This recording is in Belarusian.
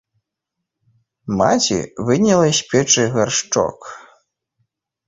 Маці выняла з печы гаршчок.